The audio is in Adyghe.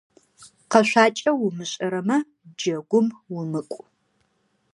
Къэшъуакӏэ умышӏэрэмэ, джэгум умыкӏу.